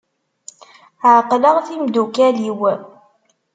Ɛeqleɣ timeddukal-iw.